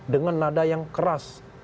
dengan nada yang keras